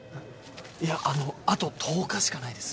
いやあのあと１０日しかないです。